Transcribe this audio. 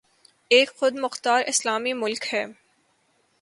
ایک خود مختار اسلامی ملک ہے